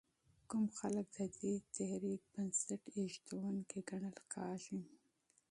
کوم خلک د دې تحریک بنسټ ایښودونکي ګڼل کېږي؟